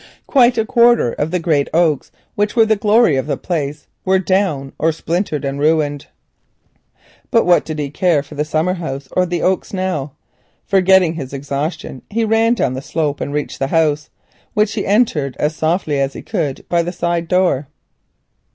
Quite a quarter of the great oaks which were the glory of the place were down, or splintered and ruined. But what did he care for the summer house or the oaks now? Forgetting his exhaustion, he ran down the slope and reached the house, which he entered as softly as he could by the side door.